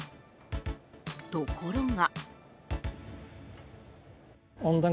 ところが。